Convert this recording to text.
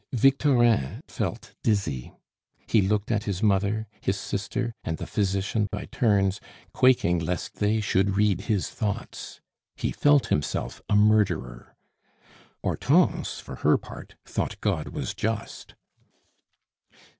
Victorin felt dizzy. He looked at his mother, his sister, and the physician by turns, quaking lest they should read his thoughts. He felt himself a murderer. Hortense, for her part, thought God was just.